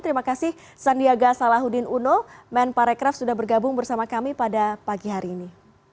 terima kasih sandiaga salahuddin uno men parekraf sudah bergabung bersama kami pada pagi hari ini